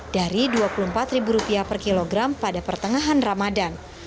dari rp dua puluh empat per kilogram pada pertengahan ramadan